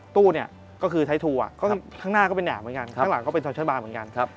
ตู้เนี่ยก็คือไทยทัวร์ข้างหน้าก็เป็นแหบเหมือนกันข้างหลังก็เป็นทอเชอร์บาร์เหมือนกัน